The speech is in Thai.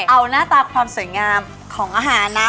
เอาหน้าตาความสวยงามของอาหารนะ